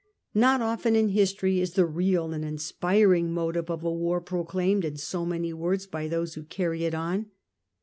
Not often in history is the real and inspiring motive of a war proclaimed in so many words by those who carry it on.